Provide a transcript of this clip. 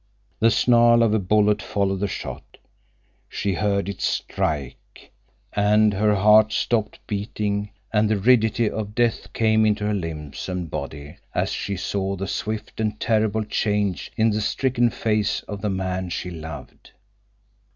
The snarl of a bullet followed the shot. She heard it strike, and her heart stopped beating, and the rigidity of death came into her limbs and body as she saw the swift and terrible change in the stricken face of the man she loved.